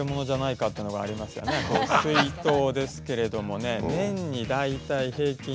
水筒ですけれどもね